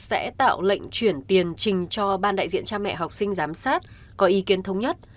sẽ tạo lệnh chuyển tiền trình cho ban đại diện cha mẹ học sinh giám sát có ý kiến thống nhất